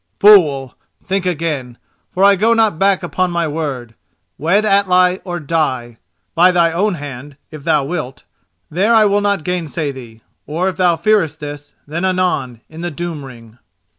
"Fool! think again, for I go not back upon my word. Wed Atli or die—by thy own hand, if thou wilt—there I will not gainsay thee; or, if thou fearest this, then anon in the Doom ring."